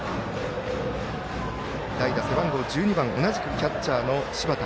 代打、背番号１２番同じくキャッチャーの柴田。